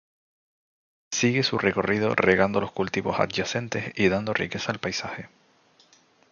Sigue su recorrido regando los cultivos adyacentes y dando riqueza al paisaje.